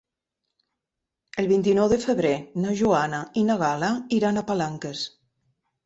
El vint-i-nou de febrer na Joana i na Gal·la iran a Palanques.